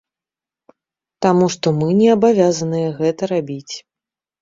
Таму што мы не абавязаныя гэта рабіць.